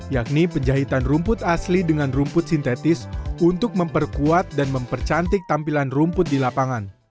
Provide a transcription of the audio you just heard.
yakni penjahitan rumput asli dengan rumput sintetis untuk memperkuat dan mempercantik tampilan rumput di lapangan